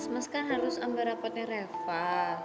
mas kan harus ambar rapatnya reva